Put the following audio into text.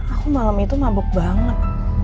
aku malam itu mabuk banget